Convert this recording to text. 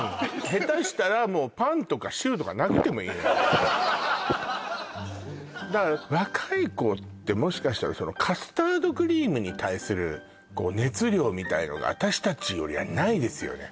下手したらパンとかシューとかなくてもいいのよだから若い子ってもしかしたらカスタードクリームに対する熱量みたいなのが私達よりはないですよね